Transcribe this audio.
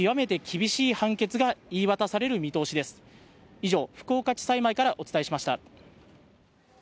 以上、福岡地裁前からお伝えしました。